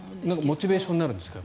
モチベーションになるんですか？